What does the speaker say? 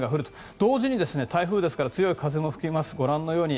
同時に台風ですから強い風も吹きます。